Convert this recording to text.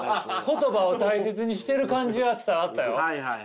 言葉を大切にしてる感じは伝わったよ。